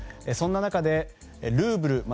そんな中でルーブル。